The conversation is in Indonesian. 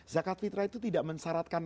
zakat fitrah itu tidak mensyaratkan